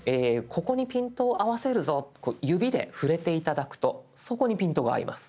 ここにピントを合わせるぞっとこう指で触れて頂くとそこにピントが合います。